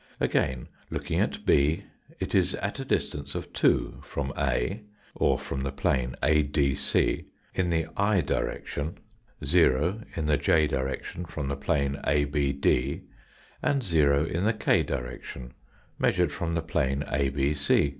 Again, looking at B, it is at a distance of 2 from A, or from the plane ADC, in the i direction, in the j direction from the plane ABD, and in the k direction, measured from the plane ABC.